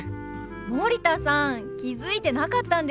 森田さん気付いてなかったんですか？